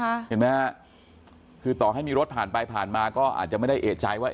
เห็นไหมฮะคือต่อให้มีรถผ่านไปผ่านมาก็อาจจะไม่ได้เอกใจว่า